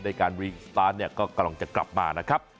การรีสตาร์ทเนี่ยก็กำลังจะกลับมานะครับ